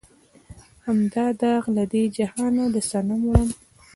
هم دا داغ لۀ دې جهانه د صنم وړم